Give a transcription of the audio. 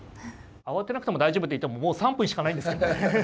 慌てなくても大丈夫っていってももう３分しかないんですけどね。